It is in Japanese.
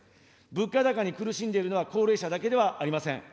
物価高に苦しんでいるのは高齢者だけではありません。